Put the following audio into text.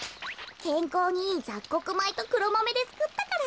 けんこうにいいざっこくまいとくろマメでつくったから。